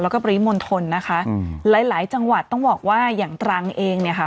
แล้วก็ปริมณฑลนะคะอืมหลายหลายจังหวัดต้องบอกว่าอย่างตรังเองเนี่ยค่ะ